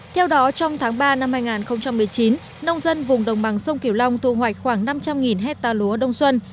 theo đó trong tháng ba năm hai nghìn một mươi chín nông dân vùng đồng bằng sông kiều long thu hoạch khoảng năm trăm linh hectare lúa đông xuân